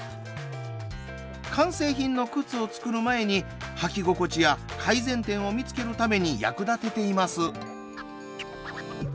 完成品の靴を作る前に履き心地や改善点を見つけるために役立てています。